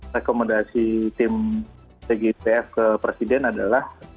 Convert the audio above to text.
rekomendasi tim tgipf ke presiden adalah